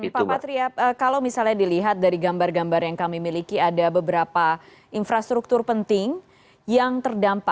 pak patria kalau misalnya dilihat dari gambar gambar yang kami miliki ada beberapa infrastruktur penting yang terdampak